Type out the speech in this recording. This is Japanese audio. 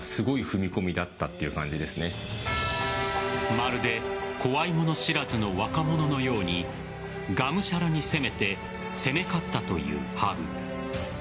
まるで怖いもの知らずの若者のようにがむしゃらに攻めて攻め勝ったという羽生。